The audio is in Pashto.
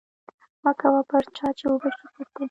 مه کوه پر چا چې ونشي پر تا